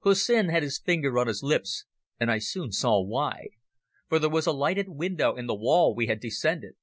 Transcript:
Hussin had his finger on his lips, and I soon saw why. For there was a lighted window in the wall we had descended.